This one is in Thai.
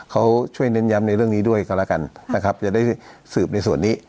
เขาช่วยเน้นย้ำในเรื่องนี้ด้วยกันแล้วกันนะครับจะได้สืบในส่วนนี้